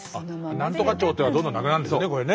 なんとか町っていうのがどんどんなくなるんですよね